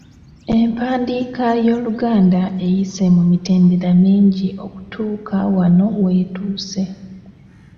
Empandiika y’Oluganda eyise mu mitendera mingi okutuuka wano w’etuuse.